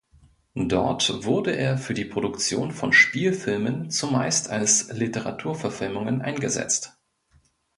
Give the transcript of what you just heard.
Dort wurde er für die Produktion von Spielfilmen zumeist als Literaturverfilmungen eingesetzt.